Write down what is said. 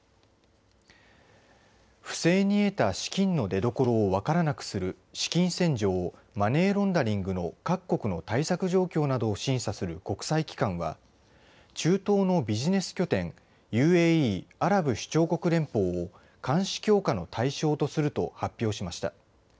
不正に得た資金の出どころを分からなくなる資金洗浄＝マネーロンダリングの各国の対策状況などを審査する国際機関は中東のビジネス拠点ＵＡＥ＝アラブ首長国連邦を監視強化の対象とすると発表しました。